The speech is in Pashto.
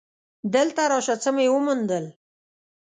دلته راشه څه مې وموندل.